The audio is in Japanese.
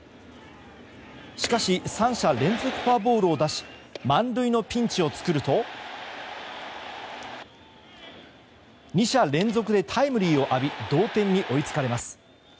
しかし３者連続フォアボールを出し満塁のピンチを作ると２者連続でタイムリーを浴び同点に追いつかれます。